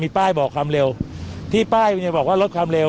เป็นอธิบายบ่อกว่าเป็นผลครามเร็ว